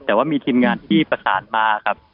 แต่ว่ามีทีมงานที่ประสานมาครับ